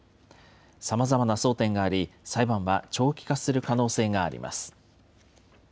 さまざまな争点があり、裁判は長期化する可能性があります。